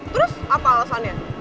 terus apa alasannya